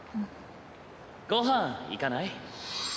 ご飯行かない？